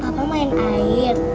papa main air